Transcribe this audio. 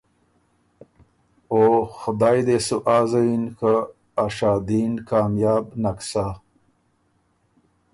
او خدای دې سُو آ زیِن که ا شادي ن کامیاب نک سَۀ۔